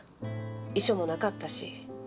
遺書もなかったし。